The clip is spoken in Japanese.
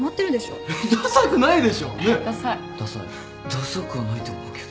ダサくはないと思うけど。